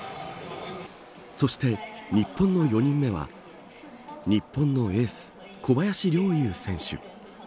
そして日本の４人目は日本のエース小林陵侑選手。